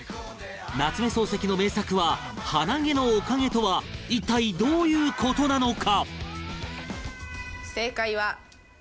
夏目漱石の名作は鼻毛のおかげとは一体どういう事なのか？